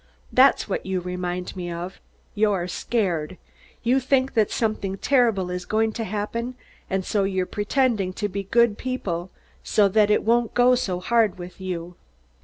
That's what you remind me of. You're scared. You think that something terrible is going to happen, and so you're pretending to be good people so that it won't go so hard with you.